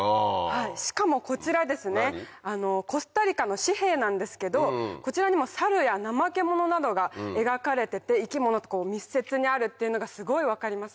しかもこちらコスタリカの紙幣なんですけどこちらにもサルやナマケモノなどが描かれてて生き物と密接にあるっていうのがすごい分かります。